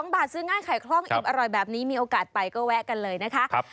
บาทซื้อง่ายขายคล่องอิ่มอร่อยแบบนี้มีโอกาสไปก็แวะกันเลยนะคะ